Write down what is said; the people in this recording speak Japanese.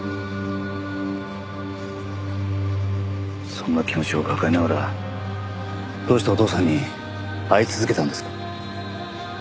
そんな気持ちを抱えながらどうしてお父さんに会い続けたんですか？